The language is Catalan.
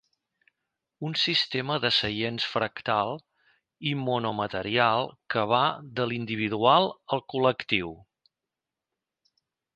Un sistema de seients fractal i monomaterial que va de l'individual al col·lectiu.